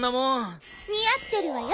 似合ってるわよ。